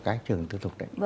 cái trường tư thuộc đấy